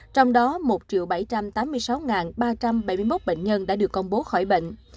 trong đó một bảy trăm tám mươi sáu ba trăm bảy mươi một bệnh nhân đã được công bố khỏi bệnh